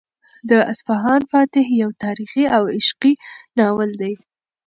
د اصفهان فاتح یو تاریخي او عشقي ناول دی.